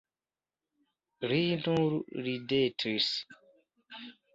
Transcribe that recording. Li nur ridetis.